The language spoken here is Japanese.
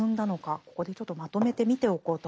ここでちょっとまとめて見ておこうと思います。